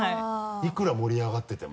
いくら盛り上がってても。